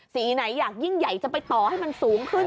ไหนอยากยิ่งใหญ่จะไปต่อให้มันสูงขึ้น